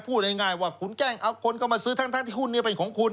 พูดง่ายว่าคุณแกล้งเอาคนเข้ามาซื้อทั้งที่หุ้นนี้เป็นของคุณ